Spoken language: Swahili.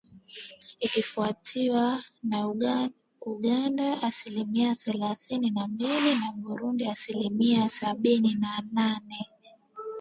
Ikifuatiwa na Uganda asilimia themanini na mbili, na Burundi asilimia sabini na nane .